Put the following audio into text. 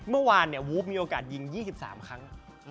เมื่อวานวูบมีโอกาสยิง๒๓ครั้ง